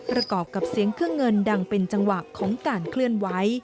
ประกอบกับเสียงเครื่องเงินดังเป็นจังหวะของการเคลื่อนไหว